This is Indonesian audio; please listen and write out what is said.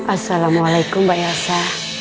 assalamualaikum mbak yasa